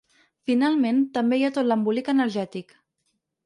Finalment, també hi ha tot l’embolic energètic.